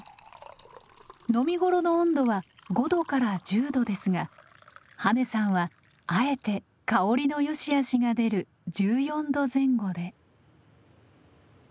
飲み頃の温度は５度から１０度ですが羽根さんはあえて香りのよしあしが出る１４度前後で。